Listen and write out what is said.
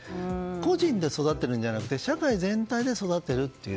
個人で育てるんじゃなくて社会全体で育てるという。